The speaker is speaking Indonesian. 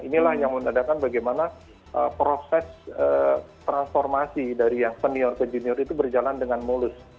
inilah yang menandakan bagaimana proses transformasi dari yang senior ke junior itu berjalan dengan mulus